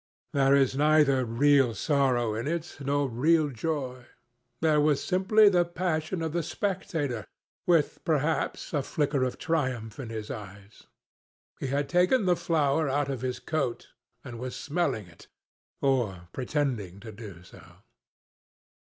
There was neither real sorrow in it nor real joy. There was simply the passion of the spectator, with perhaps a flicker of triumph in his eyes. He had taken the flower out of his coat, and was smelling it, or pretending to do so.